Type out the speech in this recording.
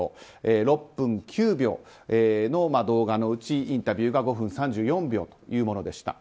６分９秒の動画のうちインタビューが５分３４秒というものでした。